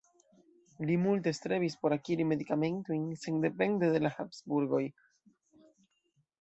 Li multe strebis por akiri medikamentojn sendepende de la Habsburgoj.